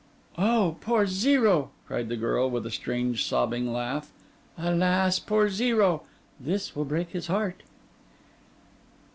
'Oh, poor Zero!' cried the girl, with a strange sobbing laugh. 'Alas, poor Zero! This will break his heart!